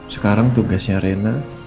sekarang tugasnya rena